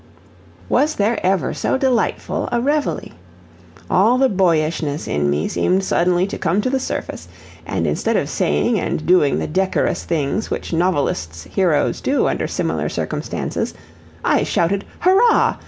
Was there ever so delightful a reveille? All the boyishness in me seemed suddenly to come to the surface, and instead of saying and doing the decorous things which novelists' heroes do under similar circumstances, I shouted "Hurrah!"